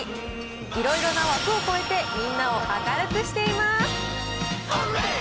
いろいろな枠を越えて、みんなを明るくしています。